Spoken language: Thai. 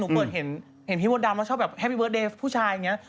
เปิดเห็นพี่มดดำแล้วชอบแบบแฮปปี้เดิร์เดย์ผู้ชายอย่างนี้